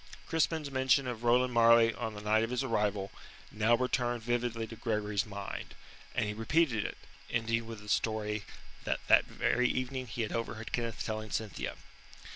Crispin's mention of Roland Marleigh on the night of his arrival now returned vividly to Gregory's mind, and he repeated it, ending with the story that that very evening he had overheard Kenneth telling Cynthia.